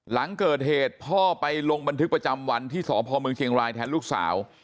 หลังเกิดเหตุพ่อไปลงบันทึกประจำวันที่สพเมืองเชียงรายแทนลูกสาว